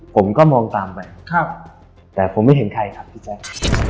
ผมก็มองตามไปครับแต่ผมไม่เห็นใครครับพี่แจ๊ค